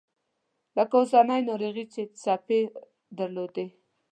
لکه اوسنۍ ناروغي چې څپې درلودې.